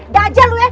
dajjal lu ya